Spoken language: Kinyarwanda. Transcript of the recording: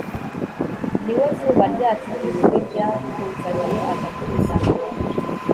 Ni we zuba ryacu ry'ukuri, Rya tuzaniye agakiza